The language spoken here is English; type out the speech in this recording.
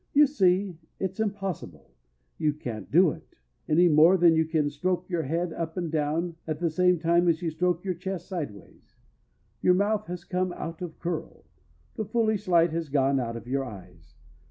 _ You see it's impossible! You can't do it, any more than you can stroke your head up and down at the same time as you stroke your chest sideways. Your mouth has come out of curl—the foolish light has gone out of your eyes.